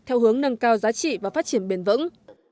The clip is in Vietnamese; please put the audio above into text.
theo hướng nâng cao giá trị và phát triển bền vững